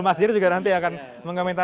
mas dir juga nanti akan mengomentari